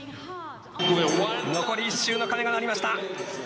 残り１周の鐘が鳴りました。